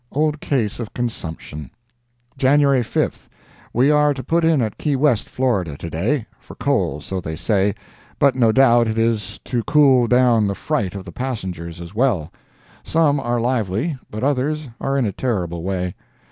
Old case of consumption." "JANUARY 5th.—We are to put in at Key West, Florida, to day, for coal, so they say, but no doubt it is to cool down the fright of the passengers as well. Some are lively, but others are in a terrible way.